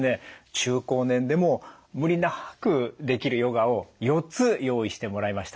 中高年でも無理なくできるヨガを４つ用意してもらいました。